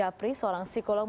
dan mbak pri seorang psikolog